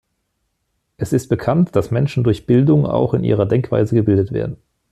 Es ist bekannt, dass Menschen durch Bildung auch in ihrer Denkweise gebildet werden.